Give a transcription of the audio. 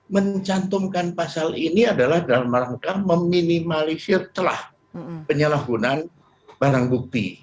mencantumkan pasal ini adalah dalam rangka meminimalisir celah penyalahgunaan barang bukti